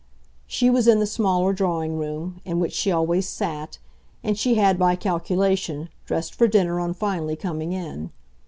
She was in the smaller drawing room, in which she always "sat," and she had, by calculation, dressed for dinner on finally coming in.